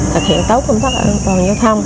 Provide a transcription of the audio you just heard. thực hiện tốt công tác an toàn giao thông